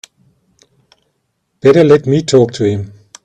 Better let me talk to him.